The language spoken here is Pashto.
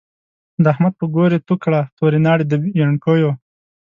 د احمد په ګور يې تو کړی، توری ناړی د يڼکيو